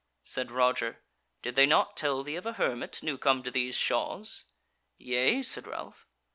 Said Roger: "Did they not tell thee of a hermit new come to these shaws?" "Yea," said Ralph.